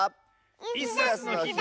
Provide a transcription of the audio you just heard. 「イスダスのひ」